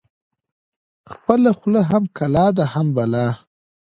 خپله خوله هم کلا ده هم بلا.